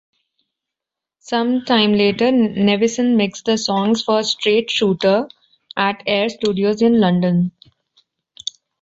Sometime later Nevison mixed the songs for "Straight Shooter" at Air Studios in London.